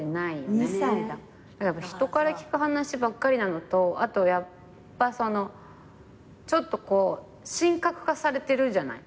だから人から聞く話ばっかりなのとあとやっぱちょっと神格化されてるじゃない。